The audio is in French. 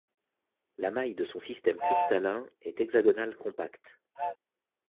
La maille de son système cristallin est hexagonale compacte.